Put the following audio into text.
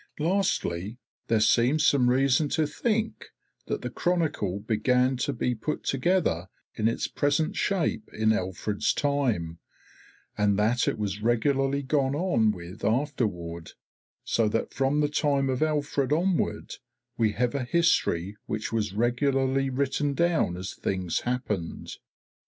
Lastly, there seems some reason to think that the Chronicle began to be put together in its present shape in Alfred's time, and that it was regularly gone on with afterward, so that from the time of Alfred onward we have a history which was regularly written down as things happened.